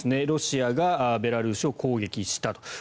ロシアがベラルーシを攻撃したと。